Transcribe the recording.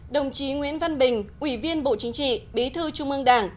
đồng chí nguyễn văn bình ủy viên bộ chính trị bí thư trung ương đảng